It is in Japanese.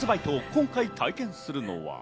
今回体験するのは。